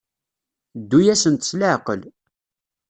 Ddu-asent s leɛqel.